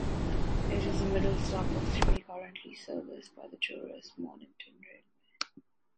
It is the middle stop of three currently serviced by the tourist Mornington Railway.